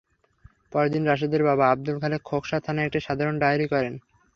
পরদিন রাশেদের বাবা আবদুল খালেক খোকসা থানায় একটি সাধারণ ডায়েরি করেন।